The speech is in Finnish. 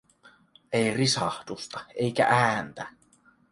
Ei risahdusta eikä ääntä.